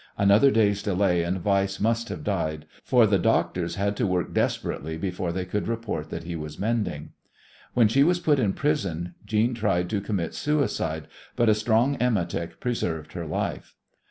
Another day's delay and Weiss must have died, for the doctors had to work desperately before they could report that he was mending. When she was put in prison Jeanne tried to commit suicide, but a strong emetic preserved her life.